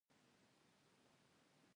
رئیس جمهور خپلو عسکرو ته امر وکړ؛ راست!